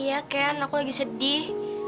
iya ken aku lagi sedih